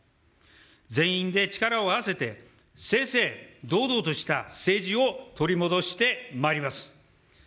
全員で力を合わせて、正々堂々とした政治を取り戻してまいります。